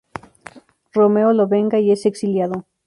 Romeo lo venga y es exiliado.